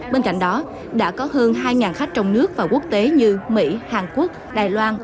bên cạnh đó đã có hơn hai khách trong nước và quốc tế như mỹ hàn quốc đài loan